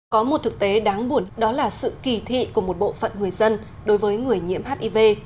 có một thực tế đáng buồn đó là sự kỳ thị của một bộ phận người dân đối với người nhiễm hiv